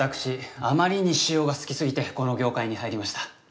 あまりに塩が好きすぎてこの業界に入りました。